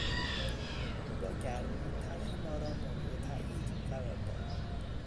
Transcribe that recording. او با گرمی طرح ما را مورد تایید قرار داد.